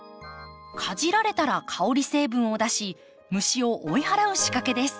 かじられたら香り成分を出し虫を追い払う仕掛けです。